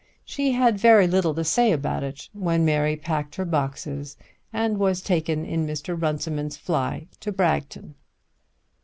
She had very little to say about it when Mary packed her boxes and was taken in Mr. Runciman's fly to Bragton.